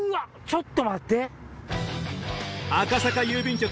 ちょっと待って。